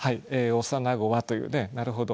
「幼子は」というねなるほど。